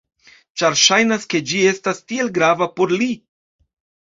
Ĉar ŝajnas ke ĝi estas tiel grava por li.